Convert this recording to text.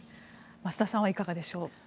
増田さんはいかがでしょう。